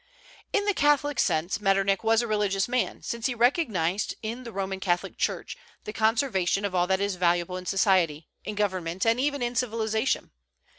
In the Catholic sense Metternich was a religious man, since he recognized in the Roman Catholic Church the conservation of all that is valuable in society, in government, and even in civilization.